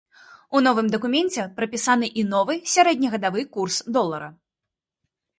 У новым дакуменце прапісаны і новы сярэднегадавы курс долара.